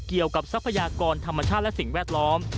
เกี่ยวกับทรัพยากรธรรมชาติและสิ่งแวดล้อม